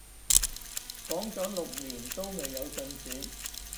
講咗六年都未有進展